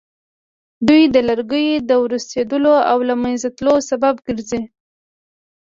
دوی د لرګیو د ورستېدلو او له منځه تلو سبب ګرځي.